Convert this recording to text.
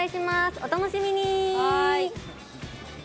お楽しみに！